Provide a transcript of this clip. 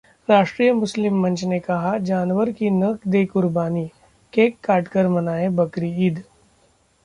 राष्ट्रीय मुस्लिम मंच ने कहा- जानवर की न दें कुर्बानी, केक काटकर मनाएं बकरीद